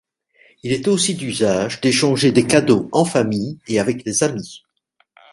Il est aussi d'usage d'échanger des cadeaux en famille et avec les amis.